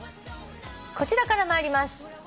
こちらから参ります。